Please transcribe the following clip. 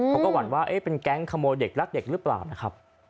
เขาก็หวั่นว่าเป็นแก๊งขโมยเด็กรักเด็กหรือเปล่านะครับ